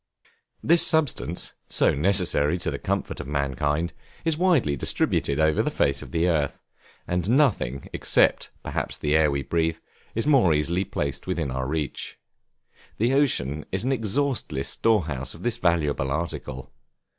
This substance, so necessary to the comfort of mankind, is widely distributed over the face of the earth, and nothing, except, perhaps, the air we breathe, is more easily placed within our reach. The ocean is an exhaustless store house of this valuable article.